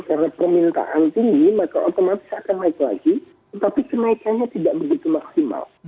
karena permintaan tinggi maka otomatis akan naik lagi tapi kenaikannya tidak begitu maksimal